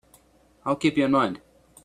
I'll keep you in mind.